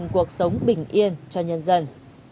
cuộc sống bình yên cho nhân dân